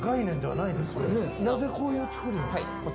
なぜこういう作りに？